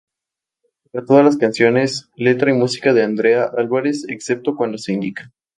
Para todas las canciones, letra y música de Andrea Álvarez, excepto cuando se indica.